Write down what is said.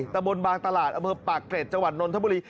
แต่บนบางตลาดปากเกร็ดจังหวัดนนทบุรี